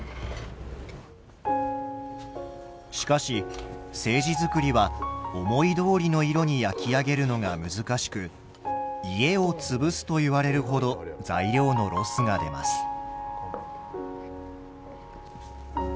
しかし青磁作りは思いどおりの色に焼き上げるのが難しく「家を潰す」といわれるほど材料のロスが出ます。